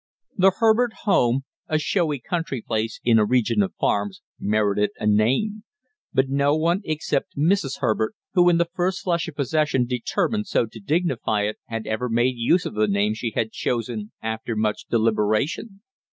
The Herbert home, a showy country place in a region of farms, merited a name; but no one except Mrs. Herbert, who in the first flush of possession determined so to dignify it, had ever made use of the name she had chosen after much deliberation.